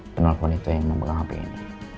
penelpon itu yang memegang hp ini